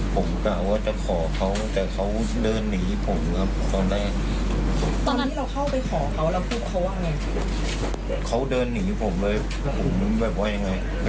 ผมกล่าวว่าจะขอเขาแต่เขาเดินหนีผมครับตอนแรก